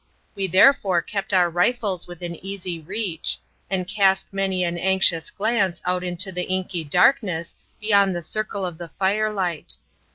We therefore kept our rifles within easy reach, and cast many an anxious glance out into the inky darkness beyond the circle of the firelight.